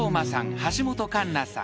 橋本環奈さん。